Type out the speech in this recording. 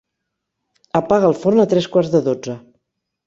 Apaga el forn a tres quarts de dotze.